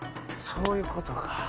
そういうことか。